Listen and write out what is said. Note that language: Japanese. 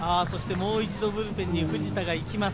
もう一度ブルペンに藤田が行きます。